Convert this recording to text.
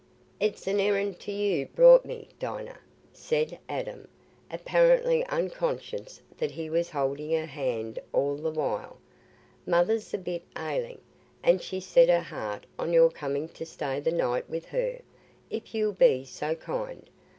"It's an errand to you brought me, Dinah," said Adam, apparently unconscious that he was holding her hand all the while; "mother's a bit ailing, and she's set her heart on your coming to stay the night with her, if you'll be so kind.